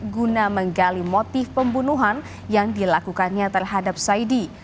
guna menggali motif pembunuhan yang dilakukannya terhadap saidi